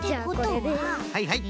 はいはい。